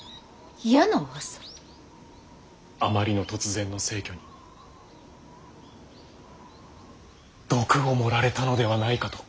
あまりの突然の逝去に毒を盛られたのではないかと。